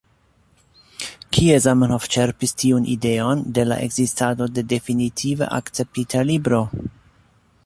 Kie Zamenhof ĉerpis tiun ideon de la ekzistado de definitive akceptita Libro?